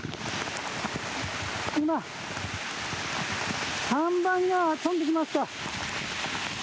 今、看板が飛んできました。